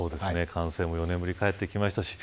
観戦も４年ぶりにかえってきましたし